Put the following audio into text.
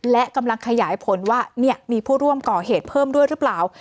และกำลังขยายผลว่ามีผู้ร่วมก่อเหตุเพิ่มด้วยหรือเปล่า